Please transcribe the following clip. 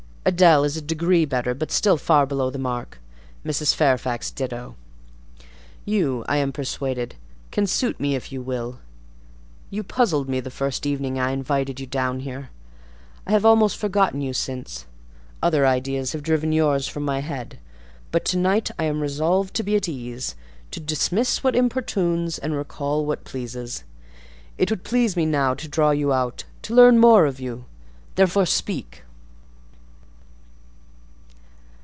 Adèle is a degree better, but still far below the mark; Mrs. Fairfax ditto; you, I am persuaded, can suit me if you will: you puzzled me the first evening I invited you down here. I have almost forgotten you since: other ideas have driven yours from my head; but to night I am resolved to be at ease; to dismiss what importunes, and recall what pleases. It would please me now to draw you out—to learn more of you—therefore speak."